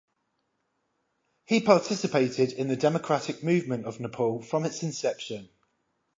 He participated in the democratic movement of Nepal from its inception.